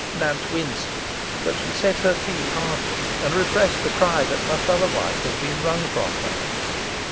Nance winced, but she set her teeth hardly, and repressed the cry that must otherwise have been wrung from her.